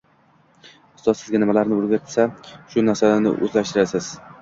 Ustoz Sizga nimalarni o’rgatsa, shu narsalarni o’zlashtirasiz